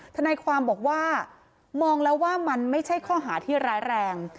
ทนายความบอกว่ามองแล้วว่ามันไม่ใช่ข้อหาที่ร้ายแรง